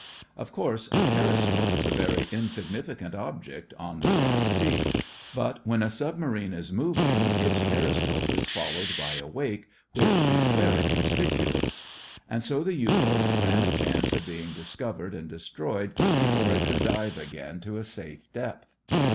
Of course a periscope is a very insignificant object on the broad sea, but when a submarine is moving its periscope is followed by a wake which is very conspicuous, and so the U boat ran a chance of being discovered and destroyed before it could dive again to a safe depth.